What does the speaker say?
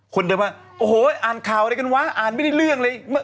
คนเดินมาโอ้โหอ่านข่าวอะไรกันวะอ่านไม่ได้เรื่องเลย